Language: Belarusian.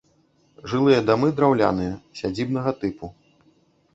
Жылыя дамы драўляныя, сядзібнага тыпу.